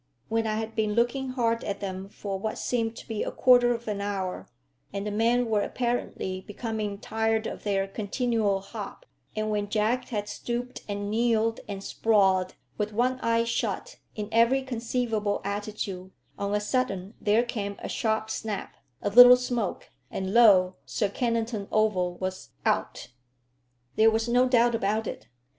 When I had been looking hard at them for what seemed to be a quarter of an hour, and the men were apparently becoming tired of their continual hop, and when Jack had stooped and kneeled and sprawled, with one eye shut, in every conceivable attitude, on a sudden there came a sharp snap, a little smoke, and lo, Sir Kennington Oval was out! There was no doubt about it.